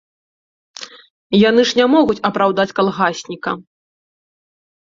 Яны ж не могуць апраўдаць калгасніка.